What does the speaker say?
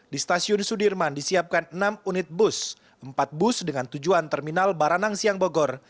di stasiun sudirman disiapkan enam unit bus empat bus dengan tujuan terminal baranang siang bogor